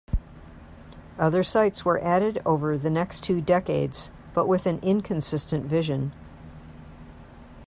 Other sites were added over the next two decades, but with an inconsistent vision.